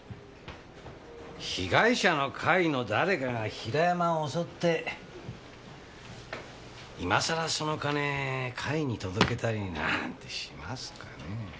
被害者の会の誰かが平山を襲って今さらその金会に届けたりなんてしますかねぇ。